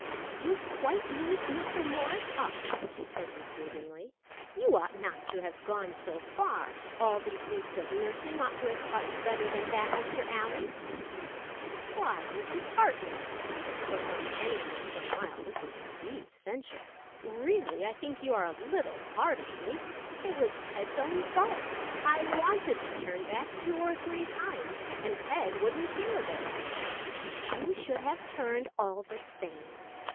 "You've quite used Mr. Morris up!" she said reprovingly; "you ought not to have gone so far; all these weeks of nursing ought to have taught you better than that, Mr. Allyn." "Why, Mrs. Hartley!" for from any one so mild this was indeed censure. "Really I think you are a little hard on me. It was Ted's own fault. I wanted to turn back two or three times, and Ted wouldn't hear of it." "You should have turned, all the same.